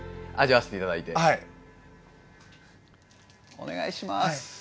お願いします。